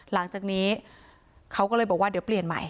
หลังจากนี้เขาก็เลยบอกว่าเดี๋ยวเปลี่ยนใหม่